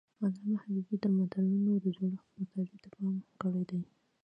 علامه حبيبي د ملتونو د جوړښت مطالعې ته پام کړی دی.